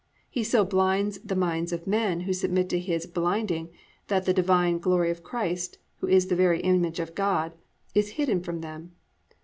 He so blinds the minds of men who submit to his blinding that the Divine "Glory of Christ," "who is the very image of God," is hidden from them.